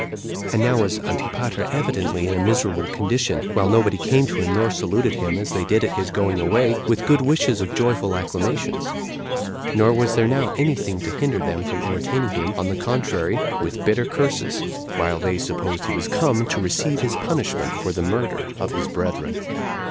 And now was Antipater evidently in a miserable condition, while nobody came to him nor saluted him, as they did at his going away, with good wishes of joyful acclamations; nor was there now any thing to hinder them from entertaining him, on the contrary, with bitter curses, while they supposed he was come to receive his punishment for the murder of his brethren.